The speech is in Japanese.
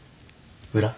裏？